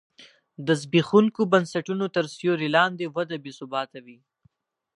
د زبېښونکو بنسټونو تر سیوري لاندې وده بې ثباته وي.